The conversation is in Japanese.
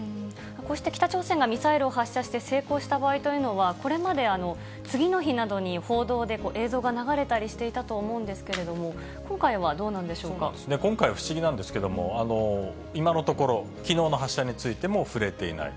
こうして北朝鮮がミサイルを発射して成功した場合というのは、これまで、次の日などに報道で映像が流れたりしていたんですが、今回はどう今回は、不思議なんですけれども、今のところ、きのうの発射についても触れていない。